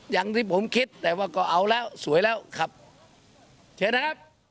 อย่างที่ผมคิดแต่ว่าก็เอาแล้วสวยแล้วครับเชิญนะครับ